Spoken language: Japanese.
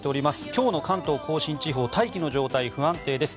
今日の関東・甲信地方大気の状態、不安定です。